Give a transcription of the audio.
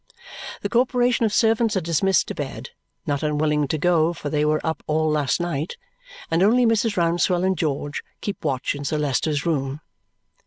The corporation of servants are dismissed to bed (not unwilling to go, for they were up all last night), and only Mrs. Rouncewell and George keep watch in Sir Leicester's room.